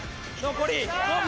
残り５秒！